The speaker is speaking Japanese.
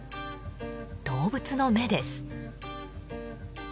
動物の目です。